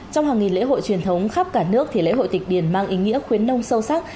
trong hàng nghìn lễ hội truyền thống khắp cả nước thì lễ hội tịch điền mang ý nghĩa khuyến nông sâu sắc